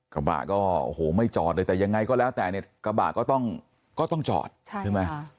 กระบะก็ไม่จอดเลยแต่ยังไงก็แล้วแต่กระบะก็ต้องจอดใช่ไหม